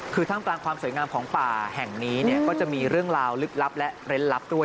คือท่ามกลางความสวยงามของป่าแห่งนี้เนี่ยก็จะมีเรื่องราวลึกลับและเร้นลับด้วย